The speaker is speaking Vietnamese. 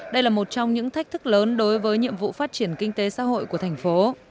đây là một trong những thách thức lớn đối với nhiệm vụ phát triển kinh tế xã hội của thành phố